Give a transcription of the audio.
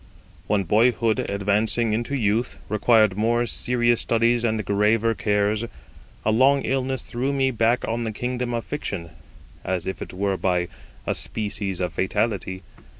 When boyhood advancing into youth required more serious studies and graver cares, a long illness threw me back on the kingdom of fiction, as if it were by a species of fatality.